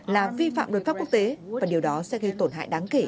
là vi phạm luật pháp quốc tế và điều đó sẽ gây tổn hại đáng kể